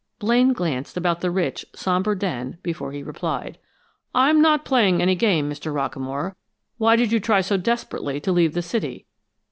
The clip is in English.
Blaine glanced about the rich, somber den before he replied. "I'm not playing any game, Mr. Rockamore. Why did you try so desperately to leave the city?"